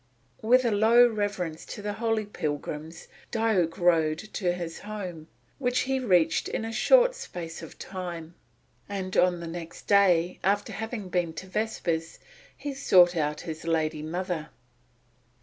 With a low reverence to the holy pilgrims, Diuk rode to his home, which he reached in a short space of time; and on the next day after having been to vespers he sought out his lady mother.